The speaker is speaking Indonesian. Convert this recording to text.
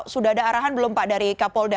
sudah ada arahan belum pak dari kapolda